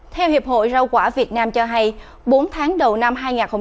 theo hiệp hội rau quả việt nam cho hay bốn tháng đầu năm hai nghìn hai mươi